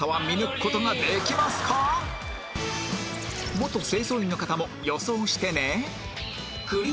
元清掃員の方も予想してね